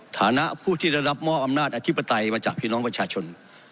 ฐานะผู้ที่ได้รับมอบอำนาจอธิปไตยมาจากพี่น้องประชาชน